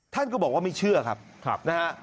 ท่านก็บอกว่าไม่เชื่อครับนะฮะ